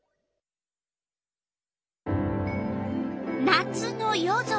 夏の夜空。